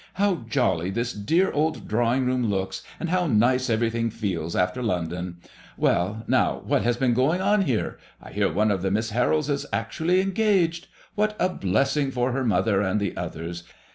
How jolly this dear old drawing room looks, and how nice everything feels after Lon MADEMOISELLE IXK. 65 don ! Well, now, what has been going on here? I hear one of the Miss Harolds is actually engaged. What a blessing for her mother and the others!